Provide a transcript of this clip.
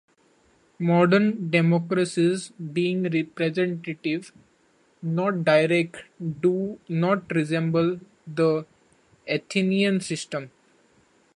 Modern democracies, being representative, not direct, do not resemble the Athenian system.